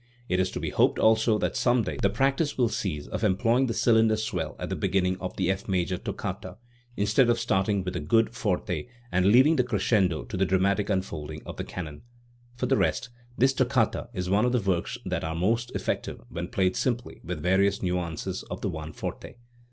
It is to be hoped also that some day the practice will cease of employing the cylinder swell at the beginning of the F major toccata, instead of starting with a good forte and leaving the crescendo to the dramatic unfolding of the canon. For the rest, this toccata is one of the works that are most effective when played simply with various nu ances of the one forte.